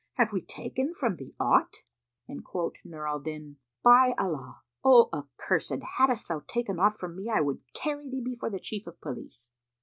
Have we taken from thee aught?"; and quoth Nur al Din, "By Allah, O accursed, haddest thou taken aught from me, I would carry thee before the Chief of Police!"